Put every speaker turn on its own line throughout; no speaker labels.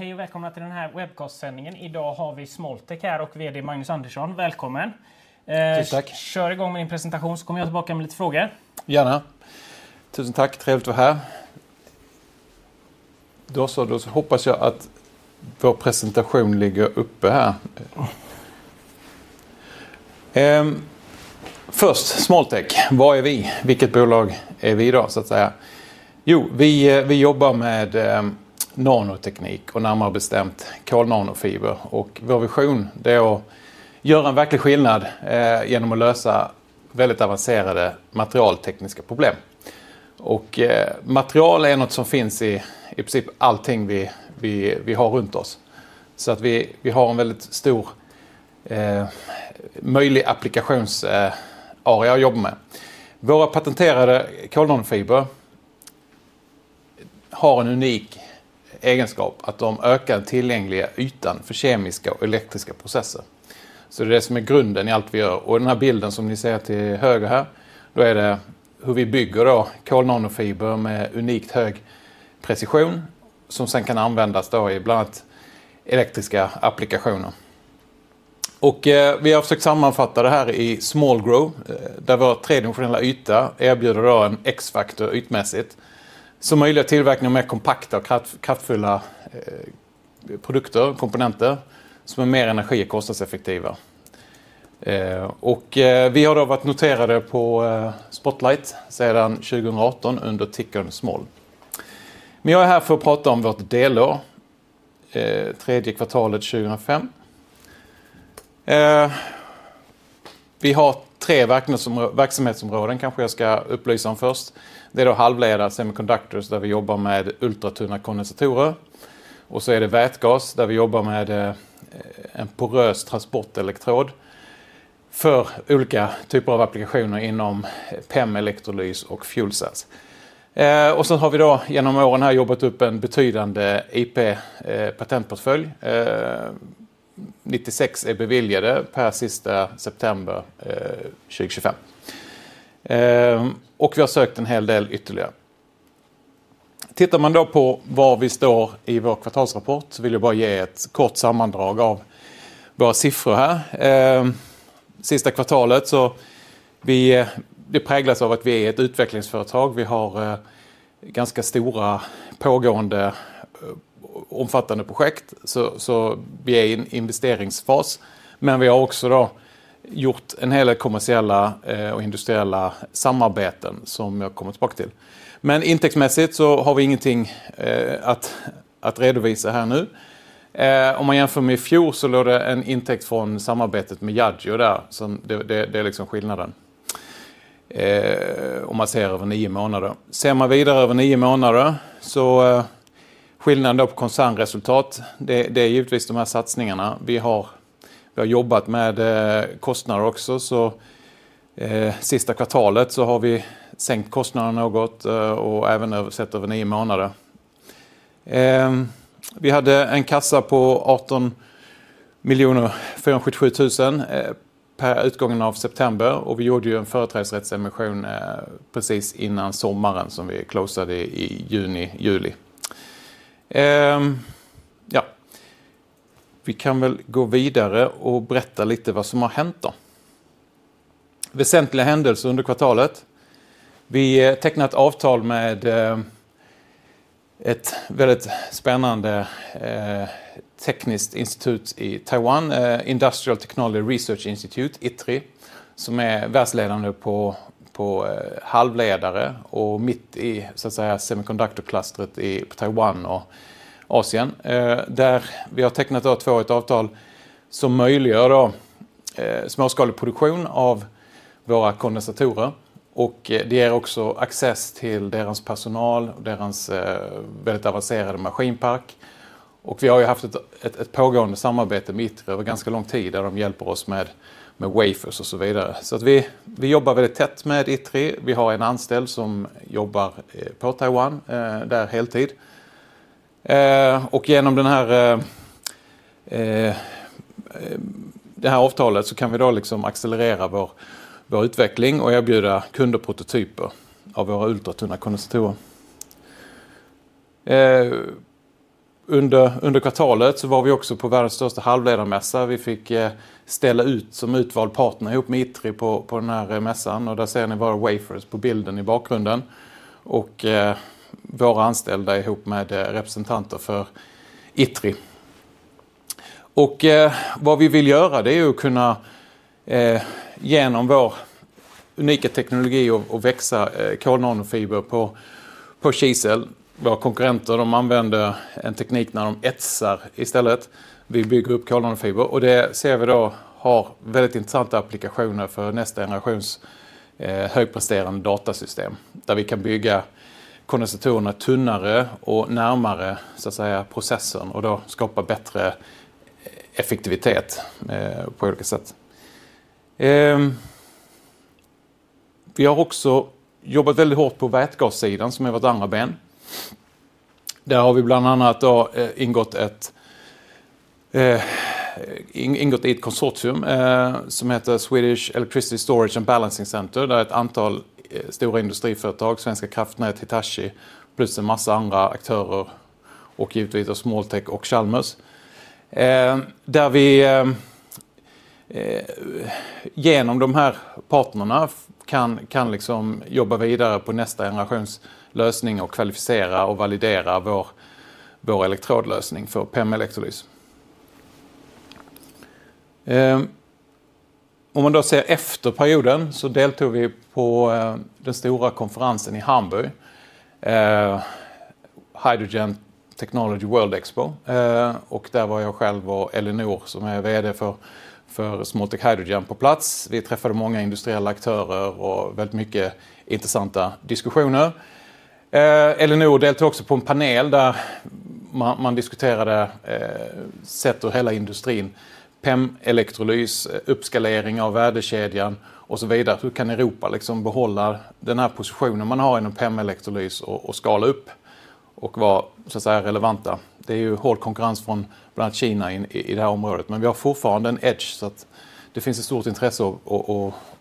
Hej och välkomna till den här webcast-sändningen. Idag har vi Smoltek här och VD Magnus Andersson. Välkommen.
Tusen tack.
Kör igång med din presentation så kommer jag tillbaka med lite frågor.
Gärna. Tusen tack, trevligt att vara här. Då så, då hoppas jag att vår presentation ligger uppe här. Först, Smoltek. Var är vi? Vilket bolag är vi idag, så att säga? Jo, vi jobbar med nanoteknik och närmare bestämt kolnanofibrer. Vår vision, det är att göra en verklig skillnad genom att lösa väldigt avancerade materialtekniska problem. Material är något som finns i princip allting vi har runt oss. Vi har en väldigt stor möjlig applikationsarea att jobba med. Våra patenterade kolnanofibrer har en unik egenskap att de ökar den tillgängliga ytan för kemiska och elektriska processer. Det är det som är grunden i allt vi gör. Den här bilden som ni ser till höger här, då är det hur vi bygger då kolnanofibrer med unikt hög precision som sen kan användas då i bland annat elektriska applikationer. Vi har försökt sammanfatta det här i SmolGrow, där vår tredimensionella yta erbjuder en X-faktor ytmässigt som möjliggör tillverkning av mer kompakta och kraftfulla produkter, komponenter som är mer energi- och kostnadseffektiva. Vi har varit noterade på Spotlight sedan 2018 under tickern SMOL. Men jag är här för att prata om vårt DLO tredje kvartalet 2025. Vi har tre verksamhetsområden kanske jag ska upplysa om först. Det är halvledare, semiconductors, där vi jobbar med ultratunna kondensatorer. Så är det vätgas, där vi jobbar med en porös transportelektrod för olika typer av applikationer inom PEM, elektrolys och fuel cells. Vi har genom åren här jobbat upp en betydande IP-patentportfölj. 96 är beviljade per sista september 2025. Vi har sökt en hel del ytterligare. Tittar man då på var vi står i vår kvartalsrapport så vill jag bara ge ett kort sammandrag av våra siffror här. Sista kvartalet så präglas det av att vi är ett utvecklingsföretag. Vi har ganska stora pågående, omfattande projekt. Vi är i en investeringsfas. Men vi har också då gjort en hel del kommersiella och industriella samarbeten som jag kommer tillbaka till. Men intäktsmässigt så har vi ingenting att redovisa här nu. Om man jämför med i fjol så låg det en intäkt från samarbetet med Yadjo där. Det är liksom skillnaden. Om man ser över nio månader, ser man vidare över nio månader så skillnaden då på koncernresultat, det är givetvis de här satsningarna. Vi har jobbat med kostnader också. Sista kvartalet så har vi sänkt kostnaderna något och även sett över nio månader. Vi hade en kassa på 18 477 000 kr per utgången av september. Och vi gjorde ju en företrädesrättsemission precis innan sommaren som vi closade i juni/juli. Vi kan väl gå vidare och berätta lite vad som har hänt då. Väsentliga händelser under kvartalet. Vi tecknar ett avtal med ett väldigt spännande tekniskt institut i Taiwan, Industrial Technology Research Institute, ITRI, som är världsledande på halvledare och mitt i semiconductor-klustret i Taiwan och Asien. Där vi har tecknat då två avtal som möjliggör då småskalig produktion av våra kondensatorer. Och det ger också access till deras personal och deras väldigt avancerade maskinpark. Och vi har ju haft ett pågående samarbete med ITRI över ganska lång tid där de hjälper oss med wafers och så vidare. Så vi jobbar väldigt tätt med ITRI. Vi har en anställd som jobbar på Taiwan där heltid. Och genom det här avtalet så kan vi då liksom accelerera vår utveckling och erbjuda kundprototyper av våra ultratunna kondensatorer. Under kvartalet så var vi också på världens största halvledarmässa. Vi fick ställa ut som utvald partner ihop med ITRI på den här mässan. Där ser ni våra wafers på bilden i bakgrunden och våra anställda ihop med representanter för ITRI. Vad vi vill göra, det är att kunna genom vår unika teknologi växa kolnanofibrer på kisel. Våra konkurrenter, de använder en teknik när de etsar istället. Vi bygger upp kolnanofibrer. Det ser vi då har väldigt intressanta applikationer för nästa generations högpresterande datasystem. Där vi kan bygga kondensatorerna tunnare och närmare, så att säga, processen och då skapa bättre effektivitet på olika sätt. Vi har också jobbat väldigt hårt på vätgassidan som är vårt andra ben. Där har vi bland annat då ingått ett konsortium som heter Swedish Electricity Storage and Balancing Center. Där är ett antal stora industriföretag, Svenska Kraftnät, Hitachi, plus en massa andra aktörer. Och givetvis då Smoltek och Chalmers. Där vi genom de här partnerna kan jobba vidare på nästa generations lösning och kvalificera och validera vår elektrodlösning för PEM-elektrolys. Om man då ser efter perioden så deltog vi på den stora konferensen i Hamburg, Hydrogen Technology World Expo. Där var jag själv och Ellinor som är VD för Smoltek Hydrogen på plats. Vi träffade många industriella aktörer och väldigt mycket intressanta diskussioner. Ellinor deltog också på en panel där man diskuterade sätt hur hela industrin, PEM-elektrolys, uppskalering av värdekedjan och så vidare. Hur kan Europa behålla den här positionen man har inom PEM-elektrolys och skala upp och vara, så att säga, relevanta? Det är ju hård konkurrens från bland annat Kina i det här området. Men vi har fortfarande en edge så att det finns ett stort intresse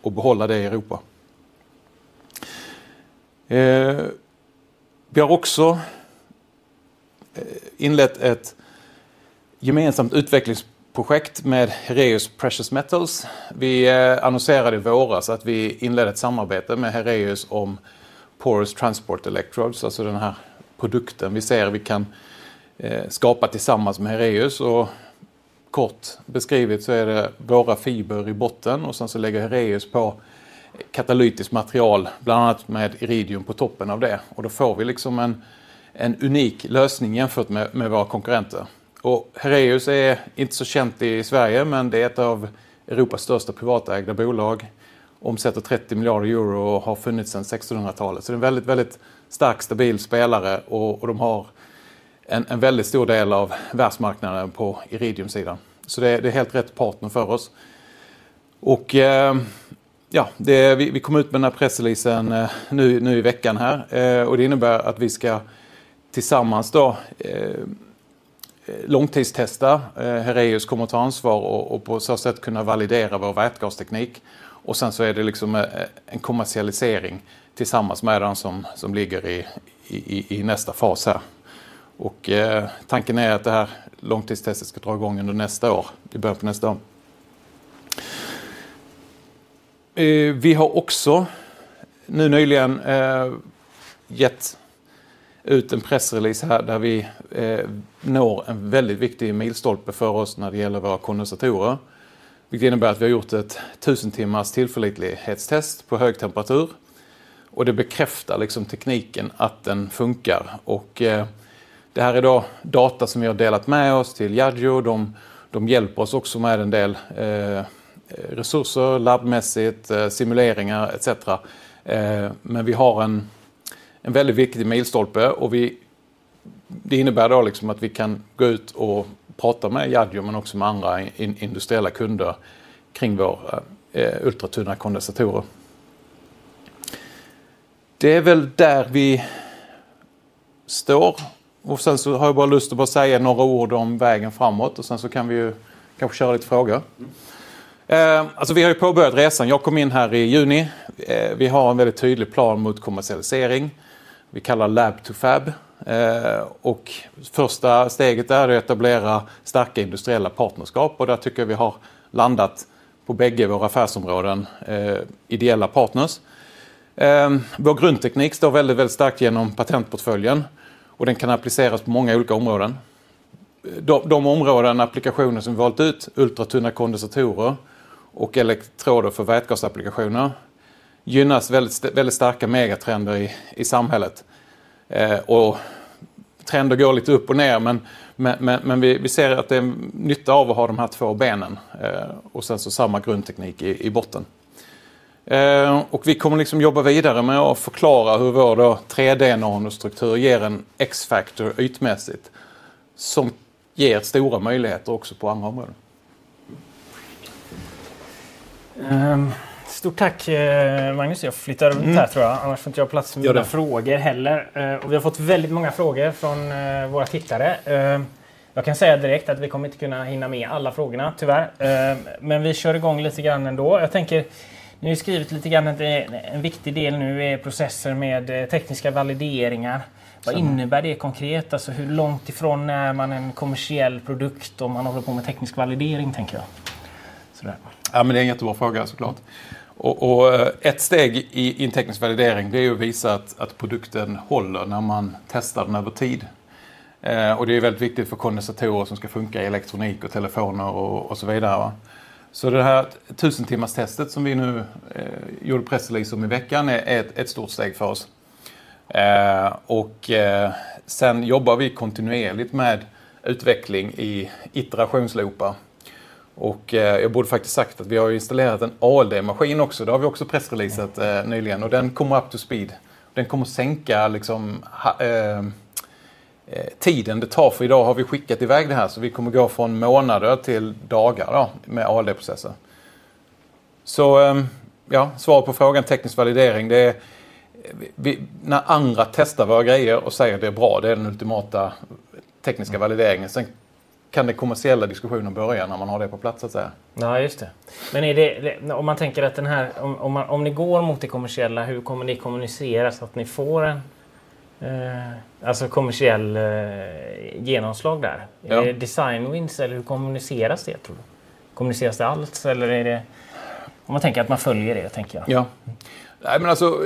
att behålla det i Europa. Vi har också inlett ett gemensamt utvecklingsprojekt med Heraeus Precious Metals. Vi annonserade i våras att vi inledde ett samarbete med Heraeus om porous transport electrodes, alltså den här produkten vi ser vi kan skapa tillsammans med Heraeus. Kort beskrivet så är det våra fibrer i botten och sen så lägger Heraeus på katalytiskt material, bland annat med iridium på toppen av det. Då får vi liksom en unik lösning jämfört med våra konkurrenter. Heraeus är inte så känt i Sverige, men det är ett av Europas största privatägda bolag. Omsätter €30 miljarder och har funnits sedan 1600-talet. Så det är en väldigt, väldigt stark, stabil spelare och de har en väldigt stor del av världsmarknaden på iridium-sidan. Så det är helt rätt partner för oss. Ja, vi kom ut med den här pressreleasen nu i veckan här. Det innebär att vi ska tillsammans då långtidstesta. Heraeus kommer att ta ansvar och på så sätt kunna validera vår vätgasteknik. Sen så är det en kommersialisering tillsammans med dem som ligger i nästa fas här. Tanken är att det här långtidstestet ska dra igång under nästa år. Det börjar på nästa år. Vi har också nu nyligen gett ut en pressrelease här där vi når en väldigt viktig milstolpe för oss när det gäller våra kondensatorer. Det innebär att vi har gjort ett tusentimmars tillförlitlighetstest på hög temperatur. Det bekräftar tekniken att den funkar. Det här är då data som vi har delat med oss till Yadjo. De hjälper oss också med en del resurser, labbmässigt, simuleringar, etc. Vi har en väldigt viktig milstolpe. Det innebär då att vi kan gå ut och prata med Yadjo, men också med andra industriella kunder kring våra ultratunna kondensatorer. Det är väl där vi står. Sedan så har jag bara lust att bara säga några ord om vägen framåt. Sedan så kan vi ju kanske köra lite frågor. Vi har ju påbörjat resan. Jag kom in här i juni. Vi har en väldigt tydlig plan mot kommersialisering. Vi kallar Lab to Fab. Första steget där är att etablera starka industriella partnerskap. Där tycker jag vi har landat på båda våra affärsområden, ideella partners. Vår grundteknik står väldigt, väldigt starkt genom patentportföljen. Den kan appliceras på många olika områden. De områden, applikationer som vi har valt ut, ultratunna kondensatorer och elektroder för vätgasapplikationer, gynnas väldigt starka megatrender i samhället. Trender går lite upp och ner, men. Vi ser att det är nytta av att ha de här två benen. Och sen så samma grundteknik i botten. Vi kommer liksom jobba vidare med att förklara hur vår 3D-nanostruktur ger en X-faktor ytmässigt. Som ger stora möjligheter också på andra områden. Stort tack, Magnus. Jag flyttar runt här, tror jag. Annars får inte jag plats med mina frågor heller. Vi har fått väldigt många frågor från våra tittare. Jag kan säga direkt att vi kommer inte kunna hinna med alla frågorna, tyvärr. Men vi kör igång lite grann ändå. Jag tänker, ni har ju skrivit lite grann att en viktig del nu är processer med tekniska valideringar. Vad innebär det konkret? Alltså, hur långt ifrån är man en kommersiell produkt om man håller på med teknisk validering, tänker jag? Så där. Ja, men det är en jättebra fråga såklart. Och ett steg i en teknisk validering, det är ju att visa att produkten håller när man testar den över tid. Och det är ju väldigt viktigt för kondensatorer som ska funka i elektronik och telefoner och så vidare. Det här tusentimmars testet som vi nu gjorde pressreleasen om i veckan är ett stort steg för oss. Sen jobbar vi kontinuerligt med utveckling i iterationsloopar. Och jag borde faktiskt sagt att vi har ju installerat en ALD-maskin också. Det har vi också pressreleasat nyligen. Och den kommer up to speed. Den kommer att sänka tiden det tar. För idag har vi skickat iväg det här. Vi kommer gå från månader till dagar då med ALD-processer. Ja, svar på frågan teknisk validering, det är när andra testar våra grejer och säger att det är bra, det är den ultimata tekniska valideringen. Sen kan den kommersiella diskussionen börja när man har det på plats, så att säga. Ja, just det. Men är det, om man tänker att den här, om ni går mot det kommersiella, hur kommer ni kommunicera så att ni får en kommersiell genomslag där? Är det design wins eller hur kommuniceras det, tror du? Kommuniceras det alls eller är det, om man tänker att man följer det, tänker jag? Ja. Nej, men alltså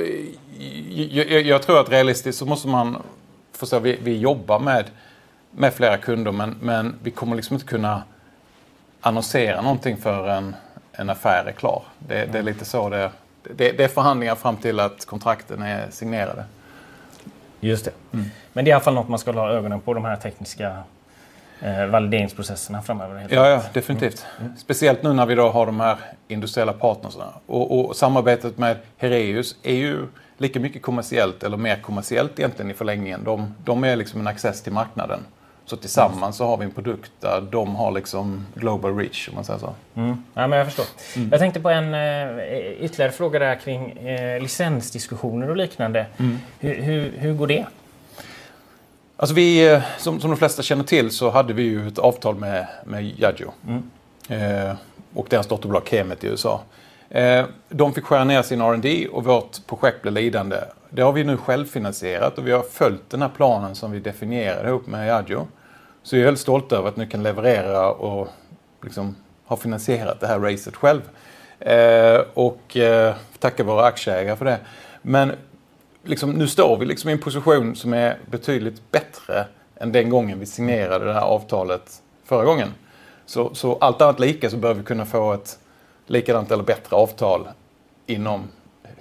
jag tror att realistiskt så måste man förstå att vi jobbar med flera kunder. Men vi kommer liksom inte kunna annonsera någonting förrän en affär är klar. Det är lite så det är. Det är förhandlingar fram till att kontrakten är signerade. Just det. Men det är i alla fall något man ska hålla ögonen på, de här tekniska valideringsprocesserna framöver. Ja, ja, definitivt. Speciellt nu när vi då har de här industriella partnerna. Och samarbetet med Heraeus är ju lika mycket kommersiellt eller mer kommersiellt egentligen i förlängningen. De är liksom en access till marknaden. Så tillsammans så har vi en produkt där de har liksom global reach, om man säger så. Nej, men jag förstår. Jag tänkte på en ytterligare fråga där kring licensdiskussioner och liknande. Hur går det? Alltså, vi som de flesta känner till så hade vi ju ett avtal med Yadjo. Och deras dotterbolag Kemet i USA. De fick skära ner sin R&D och vårt projekt blev lidande. Det har vi nu självfinansierat och vi har följt den här planen som vi definierade ihop med Yadjo. Så vi är väldigt stolta över att nu kan leverera och liksom ha finansierat det här racet själv. Och tackar våra aktieägare för det. Men liksom nu står vi liksom i en position som är betydligt bättre än den gången vi signerade det här avtalet förra gången. Så allt annat lika så behöver vi kunna få ett likadant eller bättre avtal inom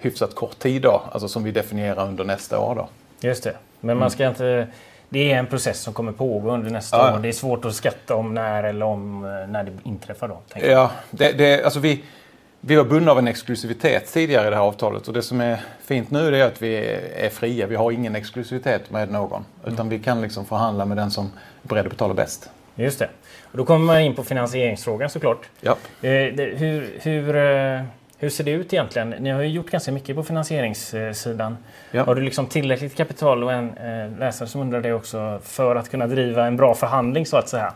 hyfsat kort tid då, alltså som vi definierar under nästa år då. Just det. Men man ska inte, det är en process som kommer pågå under nästa år. Det är svårt att skatta om när eller om när det inträffar då, tänker jag. Ja, det alltså vi var bundna av en exklusivitet tidigare i det här avtalet. Och det som är fint nu är att vi är fria. Vi har ingen exklusivitet med någon. Utan vi kan liksom förhandla med den som är beredd att betala bäst. Just det. Och då kommer man in på finansieringsfrågan såklart. Ja. Hur ser det ut egentligen? Ni har ju gjort ganska mycket på finansieringssidan. Har du liksom tillräckligt kapital och en läsare som undrar det också? För att kunna driva en bra förhandling, så att säga,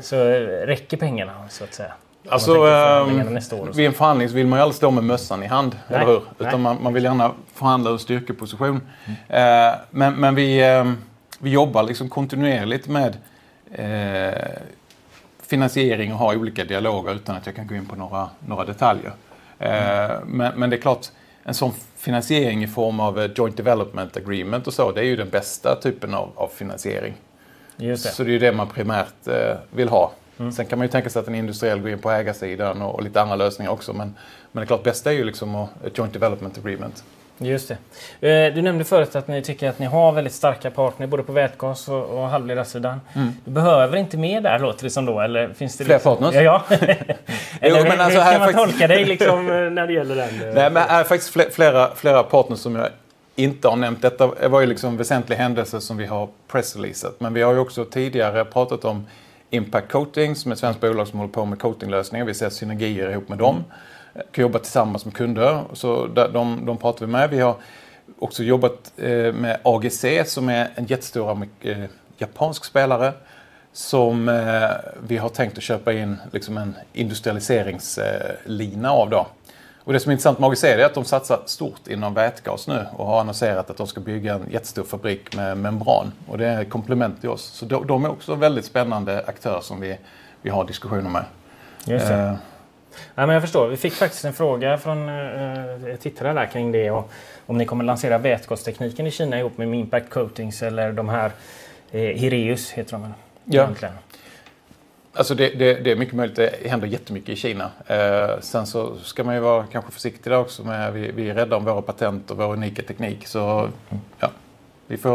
så räcker pengarna, så att säga? Alltså, vi är en förhandlingsfilm och jag står med mössan i hand, eller hur? Utan man vill gärna förhandla ur styrkeposition. Vi jobbar liksom kontinuerligt med finansiering och har olika dialoger utan att jag kan gå in på några detaljer. Det är klart att en sådan finansiering i form av joint development agreement och så, det är ju den bästa typen av finansiering. Just det. Så det är ju det man primärt vill ha. Sen kan man ju tänka sig att en industriell går in på ägarsidan och lite andra lösningar också. Det klart bästa är ju liksom att joint development agreement. Just det. Du nämnde förut att ni tycker att ni har väldigt starka partners både på vätgas och halvledarsidan. Behöver det inte mer där, låter det som då? Eller finns det liksom fler partners? Ja. Eller hur kan man tolka dig liksom när det gäller den? Nej, men faktiskt flera, flera partners som jag inte har nämnt. Detta var ju liksom väsentliga händelser som vi har pressreleasat. Men vi har ju också tidigare pratat om Impact Coatings med svensk bolag som håller på med coatinglösningar. Vi ser synergier ihop med dem. Vi kan jobba tillsammans med kunder. Så de, de pratar vi med. Vi har också jobbat med AGC som är en jättestor japansk spelare. Som vi har tänkt att köpa in liksom en industrialiseringslina av då. Och det som är intressant med AGC är att de satsar stort inom vätgas nu. Och har annonserat att de ska bygga en jättestor fabrik med membran. Och det är ett komplement till oss. Så de är också en väldigt spännande aktör som vi har diskussioner med. Just det. Nej, men jag förstår. Vi fick faktiskt en fråga från tittare där kring det. Och om ni kommer lansera vätgastekniken i Kina ihop med Impact Coatings eller de här, Heraeus heter de väl egentligen. Ja. Alltså, det är mycket möjligt. Det händer jättemycket i Kina. Sen så ska man ju vara kanske försiktiga också med att vi är rädda om våra patent och vår unika teknik. Så ja, vi får,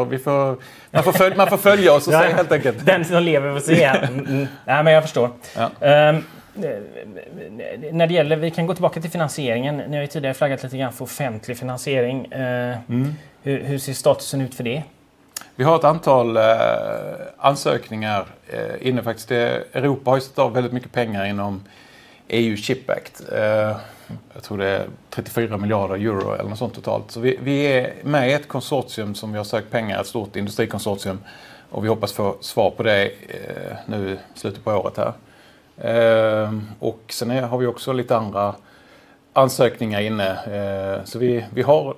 man får följa oss och se helt enkelt. Den som lever får se. Nej, men jag förstår. Ja. När det gäller, vi kan gå tillbaka till finansieringen. Ni har ju tidigare flaggat lite grann för offentlig finansiering. Hur ser statusen ut för det? Vi har ett antal ansökningar inne faktiskt. Det Europa har ju satt av väldigt mycket pengar inom EU Chip Act. Jag tror det är €34 miljarder eller något sånt totalt. Så vi är med i ett konsortium som vi har sökt pengar, ett stort industrikonsortium. Vi hoppas få svar på det nu i slutet på året här. Sen har vi också lite andra ansökningar inne. Så vi har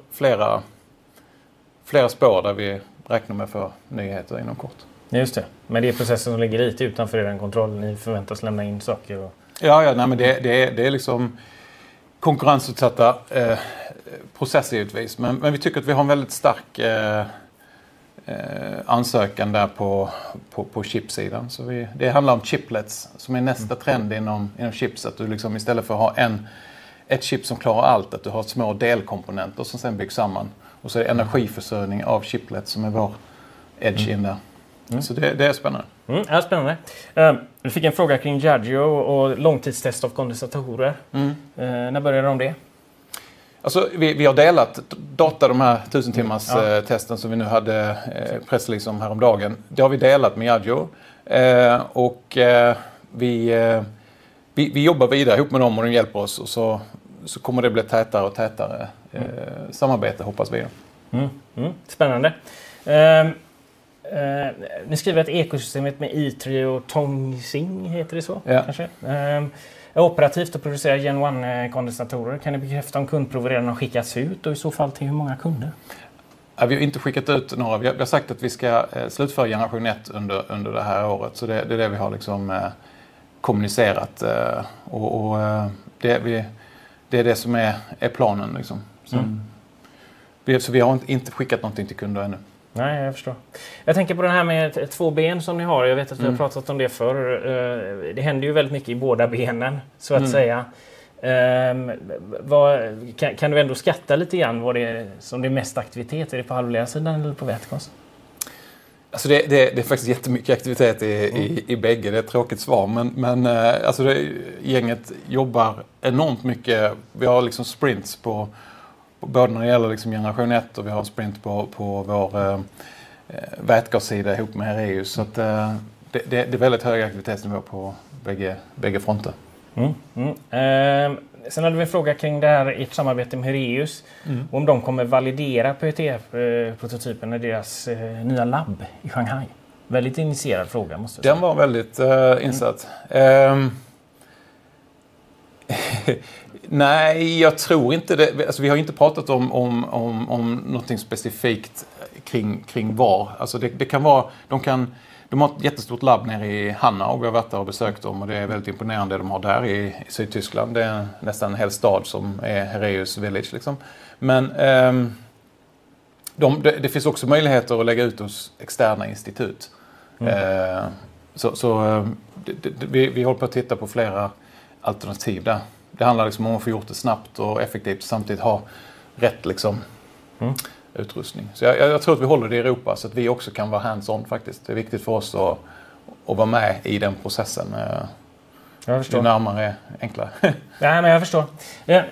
flera spår där vi räknar med att få nyheter inom kort. Just det. Men det är processen som ligger lite utanför kontroll. Ni förväntas lämna in saker och... Ja, nej men det är liksom konkurrensutsatta processer givetvis. Men vi tycker att vi har en väldigt stark ansökan där på chip-sidan. Så vi, det handlar om chiplets som är nästa trend inom chipset. Och liksom istället för att ha en, ett chip som klarar allt. Att du har små delkomponenter som sen byggs samman. Och så är det energiförsörjning av chiplets som är vår edge in där. Så det, det är spännande. Det är spännande. Vi fick en fråga kring Yadjo och långtidstest av kondensatorer. När började de det? Alltså vi, vi har delat data, de här tusentimmars testen som vi nu hade, pressreleasen om här om dagen. Det har vi delat med Yadjo. Och, vi, vi, vi jobbar vidare ihop med dem och de hjälper oss. Och så, så kommer det bli ett tätare och tätare, samarbete, hoppas vi då. Spännande. Ni skriver att ekosystemet med I3 och Tongxing, heter det så kanske? Operativt och producerar Gen1-kondensatorer. Kan ni bekräfta om kundprover redan har skickats ut? Och i så fall till hur många kunder? Ja, vi har inte skickat ut några. Vi har sagt att vi ska slutföra generation 1 under det här året. Det är det vi har kommunicerat, och det vi, det är det som är planen. Vi har inte skickat någonting till kunder ännu. Nej, jag förstår. Jag tänker på den här med två ben som ni har. Jag vet att vi har pratat om det förr. Det händer ju väldigt mycket i båda benen, så att säga. Vad kan du ändå skatta lite grann vad det är som det är mest aktivitet? Är det på halvledarsidan eller på vätgas? Det är faktiskt jättemycket aktivitet i bägge. Det är ett tråkigt svar. Men det gänget jobbar enormt mycket. Vi har sprints på både när det gäller generation 1. Vi har en sprint på vår. Vätgassida ihop med Heraeus. Så att det är väldigt hög aktivitetsnivå på bägge fronter. Sen hade vi en fråga kring det här ert samarbete med Heraeus. Och om de kommer validera PETF-prototypen i deras nya labb i Shanghai. Väldigt initierad fråga, måste jag säga. Den var väldigt insatt. Nej, jag tror inte det. Alltså, vi har ju inte pratat om någonting specifikt kring var. Alltså, det kan vara, de kan, de har ett jättestort labb nere i Hanau. Vi har varit där och besökt dem. Och det är väldigt imponerande det de har där i Sydtyskland. Det är nästan en hel stad som är Heraeus-village liksom. Men de, det finns också möjligheter att lägga ut hos externa institut. Så det, vi håller på att titta på flera alternativ där. Det handlar om att få gjort det snabbt och effektivt. Samtidigt ha rätt utrustning. Så jag tror att vi håller det i Europa så att vi också kan vara hands-on faktiskt. Det är viktigt för oss att vara med i den processen. Jag förstår. Ju närmare är enklare. Nej, men jag förstår.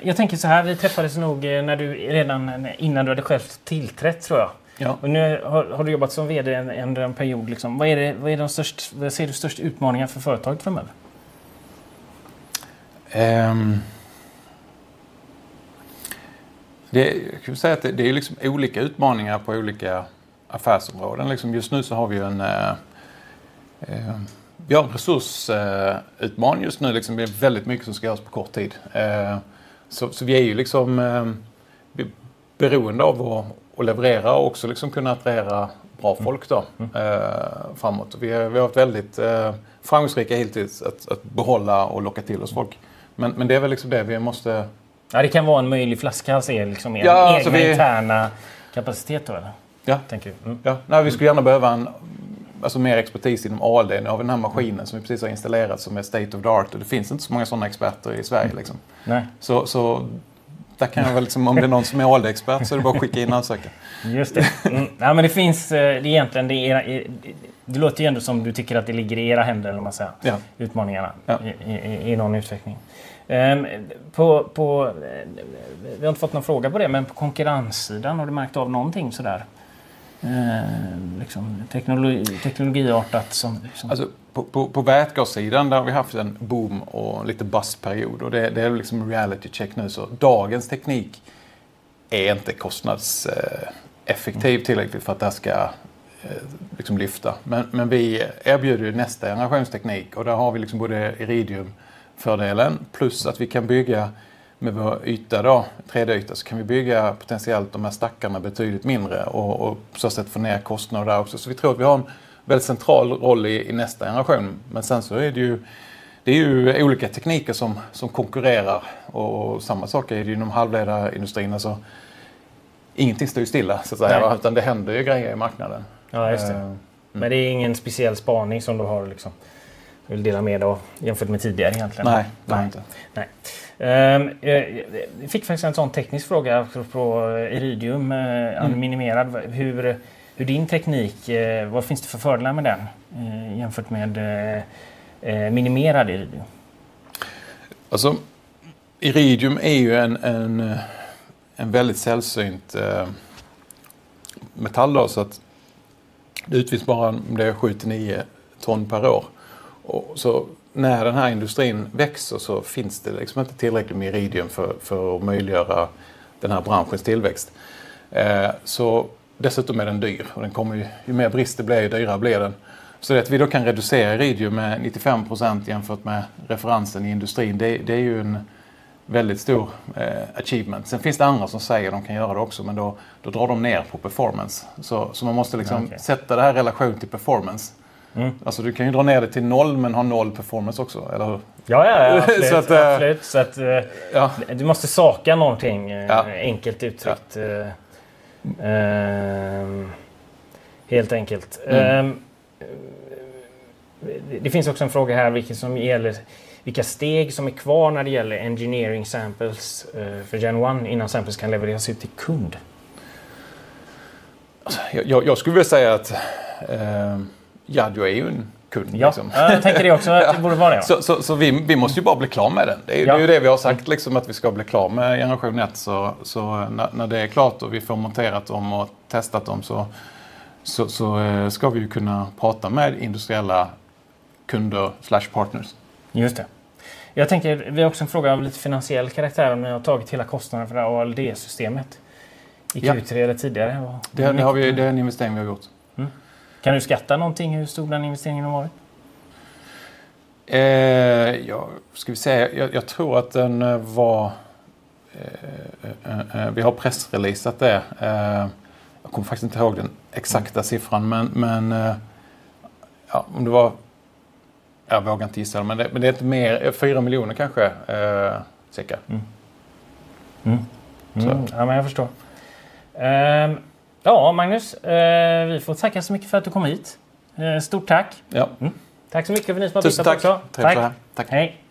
Jag tänker så här. Vi träffades nog när du redan, innan du hade själv tillträtt, tror jag. Och nu har du jobbat som VD under en period. Vad är det, vad är de största, vad ser du största utmaningar för företaget framöver? Det kan vi säga att det är olika utmaningar på olika affärsområden. Just nu så har vi en resursutmaning just nu. Det är väldigt mycket som ska göras på kort tid. Så vi är ju liksom, vi är beroende av att leverera och också liksom kunna attrahera bra folk då, framåt. Och vi har varit väldigt framgångsrika hittills att behålla och locka till oss folk. Men det är väl liksom det vi måste. Ja, det kan vara en möjlig flaskhals att se liksom mer med en intern kapacitet då, eller? Ja, tänker jag. Ja, nej, vi skulle gärna behöva mer expertis inom ALD. Nu har vi den här maskinen som vi precis har installerat som är state of the art. Och det finns inte så många sådana experter i Sverige liksom. Nej. Så där kan jag väl liksom, om det är någon som är ALD-expert så är det bara att skicka in ansökan. Just det. Nej, men det finns, det är egentligen, det är, det låter ju ändå som du tycker att det ligger i era händer, om man säger utmaningarna i någon utveckling. På konkurrenssidan, har du märkt av någonting sådär liksom teknologiartat som liksom. På vätgassidan där har vi haft en boom och en liten bustperiod. Det är liksom en reality check nu. Så dagens teknik är inte kostnadseffektiv tillräckligt för att det här ska lyfta. Men vi erbjuder ju nästa generationsteknik. Där har vi liksom både iridiumfördelen plus att vi kan bygga med vår yta då, 3D-ytta. Så kan vi bygga potentiellt de här stackarna betydligt mindre. På så sätt få ner kostnader där också. Så vi tror att vi har en väldigt central roll i nästa generation. Men sen så är det ju, det är ju olika tekniker som konkurrerar. Samma sak är det ju inom halvledarindustrin. Ingenting står ju stilla, så att säga. Utan det händer ju grejer i marknaden. Ja, just det. Men det är ingen speciell spaning som du har liksom, vill dela med dig av jämfört med tidigare egentligen. Nej, det har jag inte. Nej. Jag fick faktiskt en sådan teknisk fråga från Iridium. Minimerad. Hur din teknik, vad finns det för fördelar med den jämfört med minimerad iridium? Iridium är ju en väldigt sällsynt metall då. Det utvinns bara om det är 7-9 ton per år. När den här industrin växer så finns det liksom inte tillräckligt med iridium för att möjliggöra den här branschens tillväxt. Dessutom är den dyr. Och den kommer ju, ju mer brist det blir, ju dyrare blir den. Så det att vi då kan reducera iridium med 95% jämfört med referensen i industrin. Det är ju en väldigt stor achievement. Sen finns det andra som säger att de kan göra det också. Men då drar de ner på performance. Så man måste sätta det här i relation till performance. Alltså, du kan ju dra ner det till noll men ha noll performance också. Eller hur? Ja, ja, ja. Så att. Absolut. Så att, ja, du måste saka någonting. Enkelt uttryckt. Helt enkelt. Det finns också en fråga här vilken som gäller. Vilka steg som är kvar när det gäller engineering samples för Gen1 innan samples kan levereras ut till kund. Alltså, jag skulle vilja säga att Yadjo är ju en kund. Ja, jag tänker det också. Det borde vara det. Vi måste ju bara bli klar med den. Det är ju det vi har sagt liksom. Att vi ska bli klar med generation 1. När det är klart och vi får monterat dem och testat dem så ska vi ju kunna prata med industriella kunder/partners. Just det. Jag tänker, vi har också en fråga av lite finansiell karaktär. Om ni har tagit hela kostnaden för det här ALD-systemet i Q3 eller tidigare. Det har vi, det är en investering vi har gjort. Kan du skatta någonting hur stor den investeringen har varit? Ja, ska vi se. Jag tror att den var... vi har pressreleasat det. Jag kommer faktiskt inte ihåg den exakta siffran. Men ja, om det var... Jag vågar inte gissa det. Men det är inte mer, 4 miljoner kanske. Cirka. Så, ja, men jag förstår. Ja, Magnus, vi får tacka så mycket för att du kom hit. Stort tack. Ja. Tack så mycket för att ni som har bett oss att prata. Tack så här. Tack. Hej.